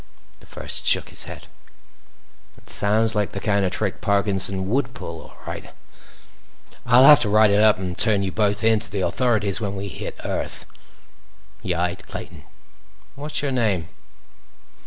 The First shook his head. "That sounds like the kind of trick Parkinson would pull, all right. I'll have to write it up and turn you both in to the authorities when we hit Earth." He eyed Clayton. "What's your name?"